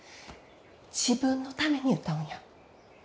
自分のために歌うんや。